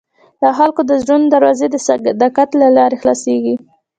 د خلکو د زړونو دروازې د صداقت له لارې خلاصېږي.